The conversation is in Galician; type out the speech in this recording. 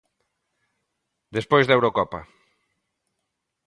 Despois da Eurocopa.